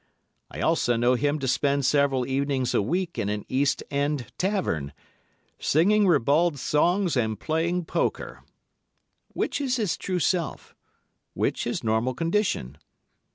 I also know him to spend several evenings a week in an East End tavern, singing ribald songs and playing poker. Which is his true self, which his normal condition?